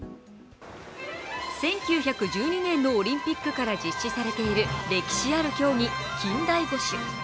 １９１２年のオリンピックから実施されている歴史ある競技、近代五種。